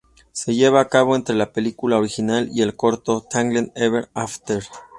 Se lleva a cabo entre la película original y el corto "Tangled Ever After".